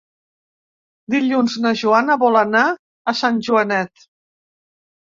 Dilluns na Joana vol anar a Sant Joanet.